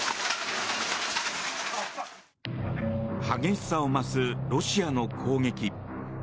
激しさを増すロシアの攻撃。